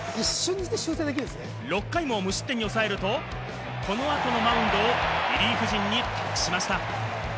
６回も無失点に抑えると、この後のマウンドをリリーフ陣に託しました。